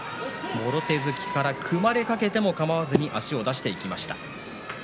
もろ手突きから組まれかけてもかまわずに足を出していきました。